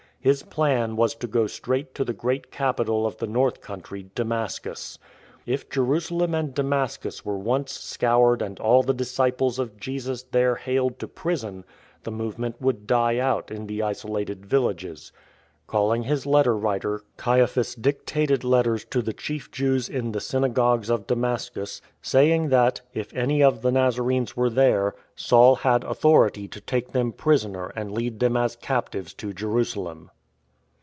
His plan was to go straight to the great capital of the north country, Damascus. If Jerusalem and Damascus were once scoured and all the disciples of Jesus there haled to prison, the movement would die out in the isolated villages. Calling his letter writer, Caiaphas dictated letters to the chief Jews in the synagogues of Damas cus, saying that, if any of the Nazarenes were there, SCOURGE OF THE NAZARENES 75 Saul had authority to take them prisoner and lead them as captives to Jerusalem.